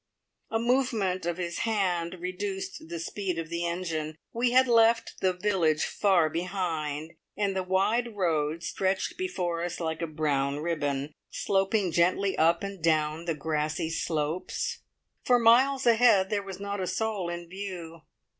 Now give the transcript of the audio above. A movement of his hand reduced the speed of the engine. We had left the village far behind, and the wide high road stretched before us like a brown ribbon, sloping gently up and down the grassy slopes. For miles ahead there was not a soul in view.